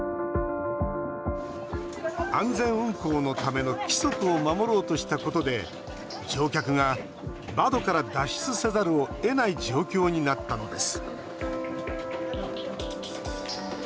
安全運行のための規則を守ろうとしたことで乗客が窓から脱出せざるをえない状況になったのです